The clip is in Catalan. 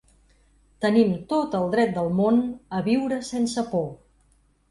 Tenim tot el dret del món a viure sense por.